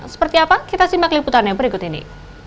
seperti apa kita simak liputannya berikut ini